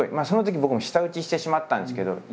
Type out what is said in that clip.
そのとき僕も舌打ちしてしまったんですけど。